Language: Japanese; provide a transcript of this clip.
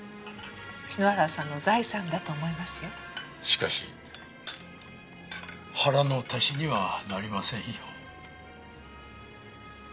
しかし腹の足しにはなりませんよ。